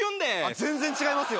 全然違いますよ